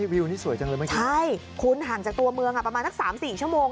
วิวนี่สวยจังเลยไหมใช่คุณห่างจากตัวเมืองประมาณสัก๓๔ชั่วโมง